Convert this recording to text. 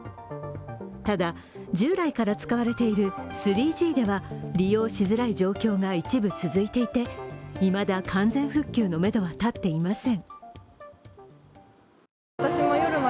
ただ、従来から使われている３Ｇでは利用しづらい状況が一部続いていていまだ完全復旧のめどは立っていません。